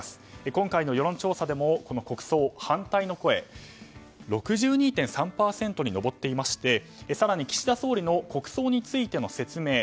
今回の世論調査でもこの国葬反対の声６２．３％に上っていまして更に、岸田総理の国葬についての説明